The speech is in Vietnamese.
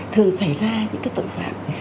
thường xảy ra những tội phạm